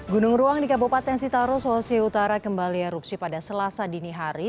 gunung ruang di kabupaten sitaro sulawesi utara kembali erupsi pada selasa dini hari